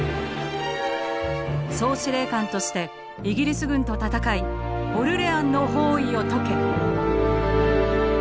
「総司令官としてイギリス軍と戦いオルレアンの包囲を解け」。